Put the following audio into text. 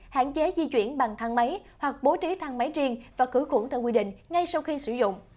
hạn chế di chuyển bằng thang máy hoặc bố trí thang máy riêng và khử khuẩn theo quy định ngay sau khi sử dụng